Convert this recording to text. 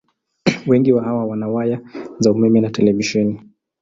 Wengi wa hawa wana waya za umeme na televisheni.